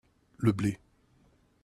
Le blé.